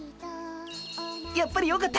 やっぱりよかった。